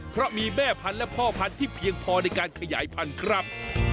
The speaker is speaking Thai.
เพราะมีแม่พันธุ์และพ่อพันธุ์ที่เพียงพอในการขยายพันธุ์ครับ